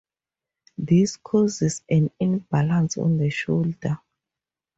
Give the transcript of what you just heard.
This causes an imbalance on the shoulder.